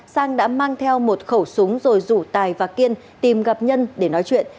sang đã mang theo một khẩu súng rồi rủ tài và kiên tìm gặp nhân để nói chuyện